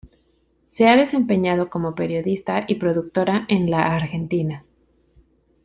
Se ha desempeñado como periodista y productora en la Argentina.